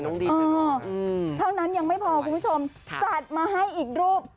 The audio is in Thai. น้องดินทีละนะเอออืมเท่านั้นยังไม่พอคุณผู้ชมค่ะกัดมาให้อีกรูป